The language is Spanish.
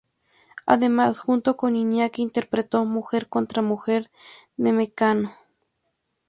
Además, junto con Iñaki interpretó "Mujer contra mujer" de Mecano.